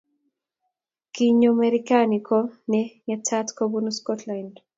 Kinyo Merekani ko ne ng'eta kobunu Scotland